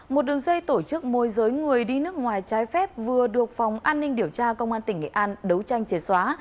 một đường dây tổ chức môi giới người đi nước ngoài trái phép vừa được phòng an ninh điều tra công an tỉnh nghệ an đấu tranh chế xóa